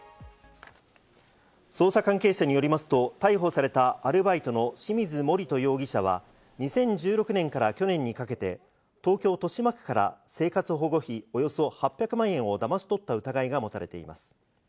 捜査関係者によりますと、逮捕されたアルバイトの清水守人容疑者は、２０１６年から去年にかけて東京・豊島区から生活保護費およそ８００万円をだまし取った疑いが持たれています。